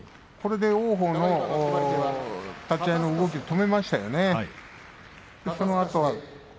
これで王鵬の動きを止めましたよね。